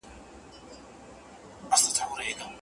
خان په لور پسي کوله خیراتونه